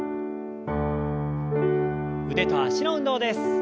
腕と脚の運動です。